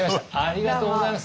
ありがとうございます。